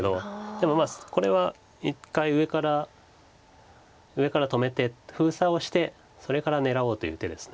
でもこれは一回上から止めて封鎖をしてそれから狙おうという手です。